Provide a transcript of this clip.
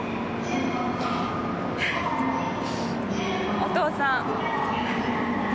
お父さん。